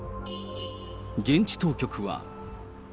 現地当局は。